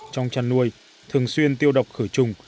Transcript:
trong chăn nuôi thường xuyên tiêu độc khử trùng